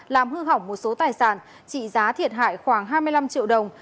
làm hư hỏng một số tài sản trị giá thiệt hại khoảng hai mươi năm triệu đồng